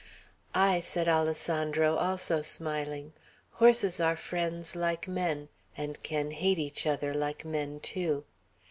"Ay," said Alessandro, also smiling. "Horses are friends, like men, and can hate each other, like men, too.